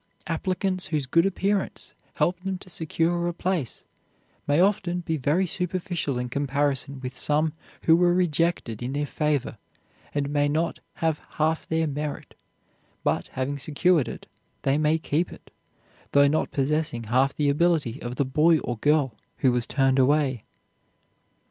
Applicants whose good appearance helped them to secure a place may often be very superficial in comparison with some who were rejected in their favor and may not have half their merit; but having secured it, they may keep it, though not possessing half the ability of the boy or girl who was turned away.